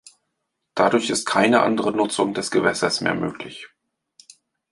Dadurch ist keine andere Nutzung des Gewässers mehr möglich.